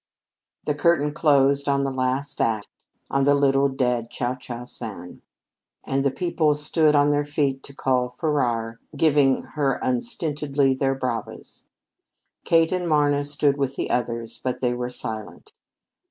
The curtain closed on the last act, on the little dead Cio Cio San, and the people stood on their feet to call Farrar, giving her unstintedly of their bravas. Kate and Marna stood with the others, but they were silent.